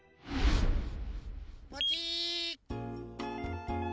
ポチッ。